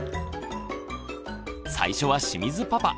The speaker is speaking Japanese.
最初は清水パパ。